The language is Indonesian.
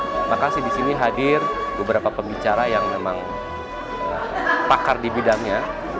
terima kasih di sini hadir beberapa pembicara yang memang pakar di bidangnya